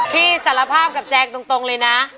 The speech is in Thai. พี่สารภาพกับแจงตรงเลยนะ